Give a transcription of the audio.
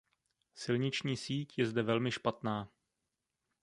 Silniční síť je zde velmi špatná.